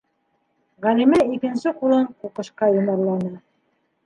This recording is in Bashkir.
- Ғәлимә икенсе ҡулын ҡуҡышҡа йомарланы.